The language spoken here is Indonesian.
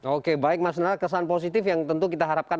oke baik mas nara kesan positif yang tentu kita harapkan